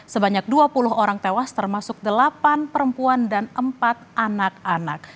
sebanyak dua puluh orang tewas termasuk delapan perempuan dan empat anak anak